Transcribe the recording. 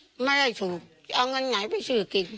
มันไม่ได้ถูกจะเอางั้นไงไปซื้อกิน